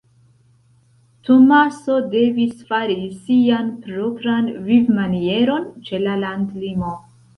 Tomaso devis fari sian propran vivmanieron ĉe la landlimo.